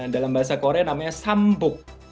dalam bahasa korea namanya sampuk